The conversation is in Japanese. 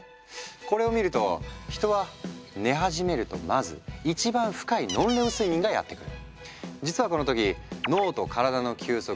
これを見ると人は寝始めるとまず一番深いノンレム睡眠がやって来る。